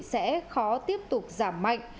sẽ khó tiếp tục giảm mạnh